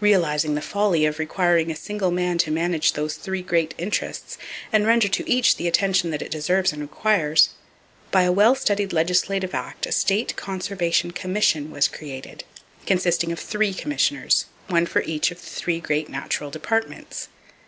Realizing the folly of requiring a single man to manage those three great interests, and render to each the attention that it deserves and requires, by a well studied legislative act a State Conservation Commission was created, consisting of three commissioners, one for each of the three great natural departments.